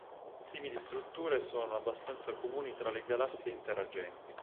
Simili strutture sono abbastanza comuni tra le galassie interagenti.